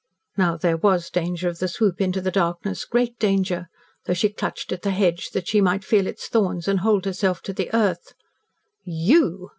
Now there was danger of the swoop into the darkness great danger though she clutched at the hedge that she might feel its thorns and hold herself to the earth. "YOU!"